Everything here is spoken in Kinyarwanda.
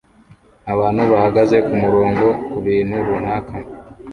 Abantu bahagaze kumurongo kubintu runaka